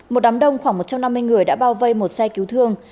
một đám đông khoảng một trăm năm mươi người đã bao vây một xe cứu thương